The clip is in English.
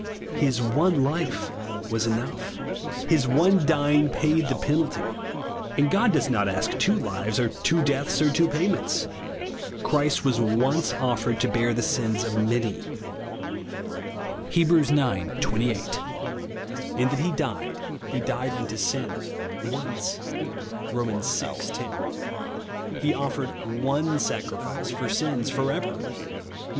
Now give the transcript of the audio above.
His one life was enough ; his one dying paid the penalty ; and God does not ask two lives, or two deaths, or two payments. " Christ was once offered THE ELOOD OF SPRINKLING. 00 to bear the sins of maBv," (Heb. h. 2S). "In that he died, he died unto sin once'' (Horn. vi. 10). He " offered one sacrifice for sins for ever," (Heb.